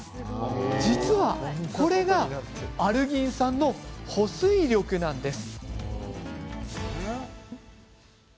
実は、これがアルギン酸の保水力なんです。